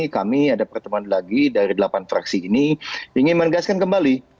kami ada pertemuan lagi dari delapan fraksi ini ingin menegaskan kembali